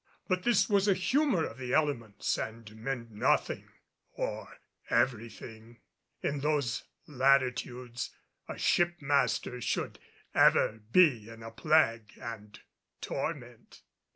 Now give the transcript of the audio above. But this was a humor of the elements and meant nothing or everything. In those latitudes a ship master should ever be in a plague and torment.